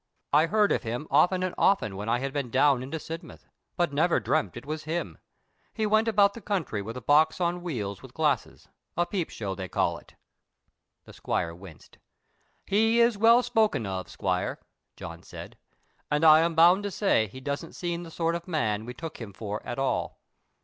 I heard of him often and often when I had been down into Sidmouth, but never dreamt it was him. He went about the country with a box on wheels with glasses—a peep show they call it." The squire winced. "He is well spoken of, squire," John said, "and I am bound to say he doesn't seem the sort of man we took him for at all.